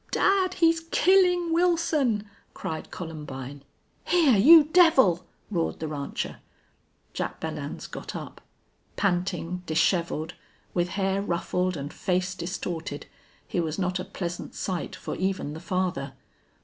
"Dad! he's killing Wilson!" cried Columbine. "Hyar, you devil!" roared the rancher. Jack Belllounds got up. Panting, disheveled, with hair ruffled and face distorted, he was not a pleasant sight for even the father.